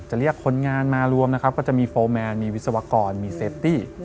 เรียกคนงานมารวมนะครับก็จะมีโฟร์แมนมีวิศวกรมีเซฟตี้